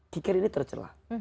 kikir ini tercelah